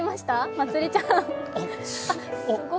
まつりちゃん。